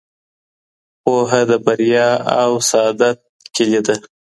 پوهه د بريا او سعادت کلۍ ده.